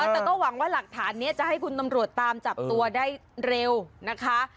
แต่ก็หวังว่าหลักฐานนี้จะให้คุณตำรวจตามจับตัวได้เร็วนะคะ